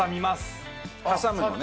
挟むのね！